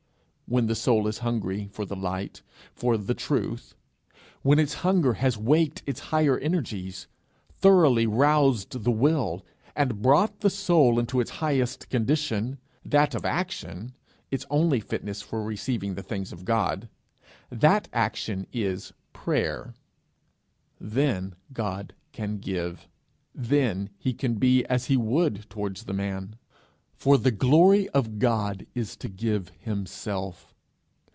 When the soul is hungry for the light, for the truth when its hunger has waked its higher energies, thoroughly roused the will, and brought the soul into its highest condition, that of action, its only fitness for receiving the things of God, that action is prayer. Then God can give; then he can be as he would towards the man; for the glory of God is to give himself.